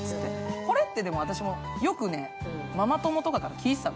これって、私もよくママ友とかから聞いてたの。